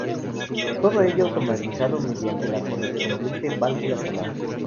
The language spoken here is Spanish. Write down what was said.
Todo ello automatizado mediante la correspondiente válvula solar.